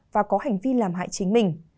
và có hành vi làm hại chính mình